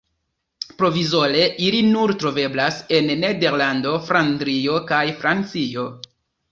Provizore ili nur troveblas en Nederlando, Flandrio kaj Francio.